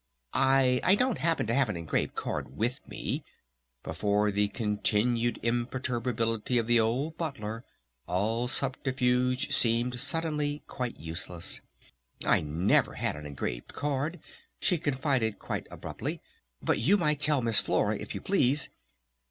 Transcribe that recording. "I I don't happen to have an engraved card with me." Before the continued imperturbability of the old Butler all subterfuge seemed suddenly quite useless. "I never have had an engraved card," she confided quite abruptly. "But you might tell Miss Flora if you please